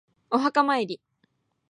お墓参り